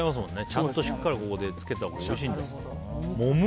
ちゃんとしっかりここでつけたほうがおいしいんだ。